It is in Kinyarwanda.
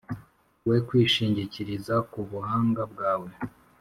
we kwishingikiriza ku buhanga bwawe